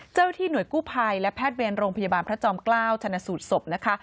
ที่หน่วยกู้ภัยและแพทย์เวรโรงพยาบาลพระจอมเกล้าชนะสูตรศพนะคะ